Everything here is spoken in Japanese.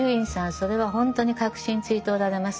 それはほんとに核心ついておられます。